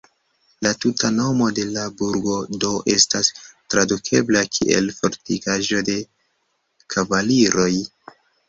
La tuta nomo de la burgo do estas tradukebla kiel "fortikaĵo de kavaliroj".